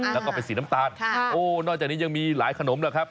แล้วก็เป็นสีน้ำตาลโอ้นอกจากนี้ยังมีหลายขนมนะครับ